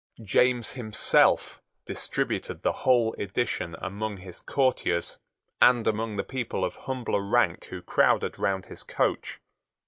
James himself distributed the whole edition among his courtiers and among the people of humbler rank who crowded round his coach.